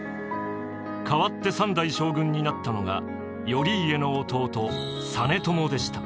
代わって三代将軍になったのが頼家の弟実朝でした。